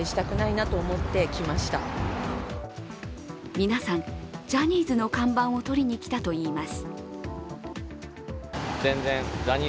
皆さん、ジャニーズの看板を撮りにきたといいます。